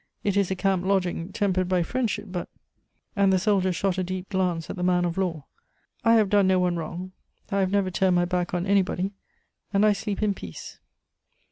It is a camp lodging, tempered by friendship, but " And the soldier shot a deep glance at the man of law "I have done no one wrong, I have never turned my back on anybody, and I sleep in peace."